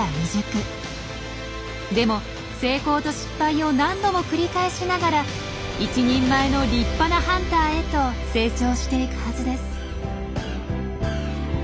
でも成功と失敗を何度も繰り返しながら一人前の立派なハンターへと成長していくはずです。